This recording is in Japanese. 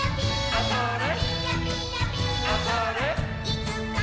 あ、それっ。